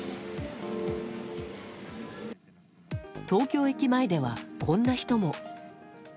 東京駅前では、こんな人も。